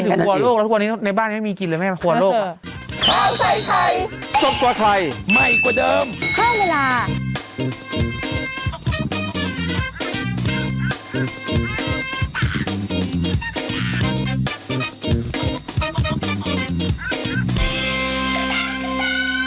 อ้าวไม่คิดถึงครัวโรคแล้วทุกวันนี้ในบ้านไม่มีกินเลยนะครับครัวโรค